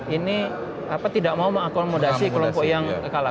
ini tidak mau mengakomodasi kelompok yang kalah